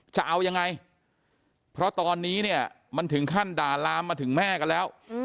จะเอายังไงเพราะตอนนี้เนี่ยมันถึงขั้นด่าลามมาถึงแม่กันแล้ว